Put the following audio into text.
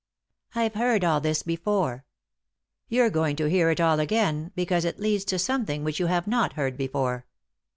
"I've heard all this before." " You're going to hear it all again, because it leads to something which you have not heard before.